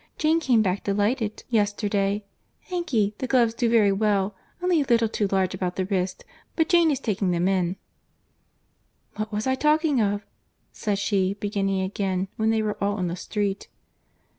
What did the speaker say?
Jane came back delighted yesterday. Thank ye, the gloves do very well—only a little too large about the wrist; but Jane is taking them in." "What was I talking of?" said she, beginning again when they were all in the street.